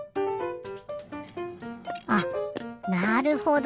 あなるほど。